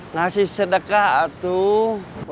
nasi sedekah atuh